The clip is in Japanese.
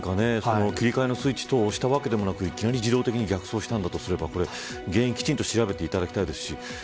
何か切り替えのスイッチを押したわけでもなく自動的に逆走したのすれば原因を調べていただきたいですし